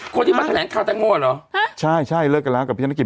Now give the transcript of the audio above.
คนที่มาแถลงข่าวแตงโมเหรอฮะใช่ใช่เลิกกันแล้วกับพี่นักกิจ